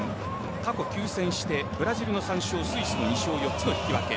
過去９戦してブラジルの３勝スイスの２勝４つの引き分け。